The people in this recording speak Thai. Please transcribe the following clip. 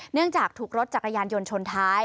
จากถูกรถจักรยานยนต์ชนท้าย